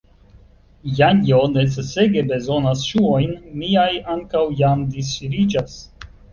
Janjo necesege bezonas ŝuojn, miaj ankaŭ jam disŝiriĝas.